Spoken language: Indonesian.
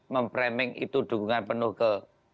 memframing itu dukungan penuh ke